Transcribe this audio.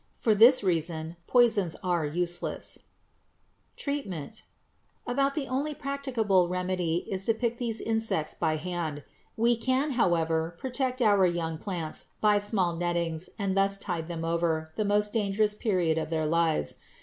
For this reason poisons are useless. [Illustration: FIG. 167. A SQUASH BUG] Treatment. About the only practicable remedy is to pick these insects by hand. We can, however, protect our young plants by small nettings and thus tide them over the most dangerous period of their lives.